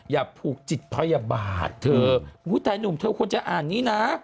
อย่าพูกจริฐพยาบาทเธอตั๊ะหนุ่มเธอควรจะอ่านนี้นะ